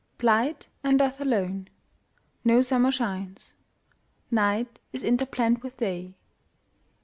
Blight and death alone.No summer shines. Night is interblent with Day.